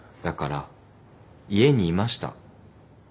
だから家にいました。